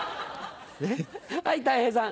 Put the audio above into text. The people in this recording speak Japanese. はいたい平さん。